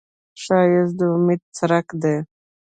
ښایست د امید څرک دی